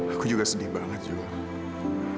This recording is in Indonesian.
aku juga sedih banget juga